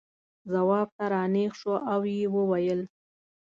ځواب ته را نېغ شو او یې وویل.